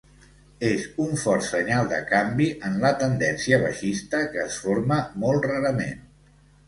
És un fort senyal de canvi en la tendència baixista que es forma molt rarament.